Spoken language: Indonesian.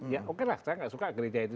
ya oke lah saya nggak suka gereja itu